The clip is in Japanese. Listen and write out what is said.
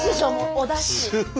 おだし。